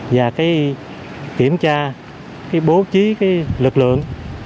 và kiểm tra bố trí lực lượng